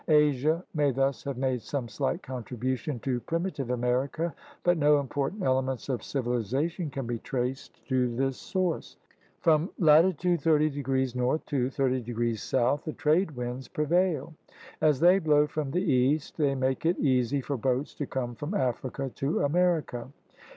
Asia may thus have made some slight contribution to primitive America, but no important elements of civilization can be traced to this source. From latitude 30° N. to 30° S. the trade winds prevail. As they blow from the east, they make it easy for boats to come from Africa to America.